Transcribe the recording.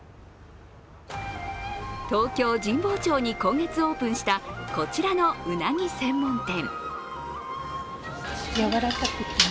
東京・神保町に今月オープンしたこちらのうなぎ専門店。